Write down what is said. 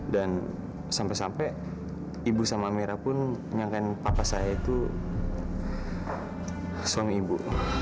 dan sampai sampai ibu sama amira pun nyangkain papa saya itu suami ibu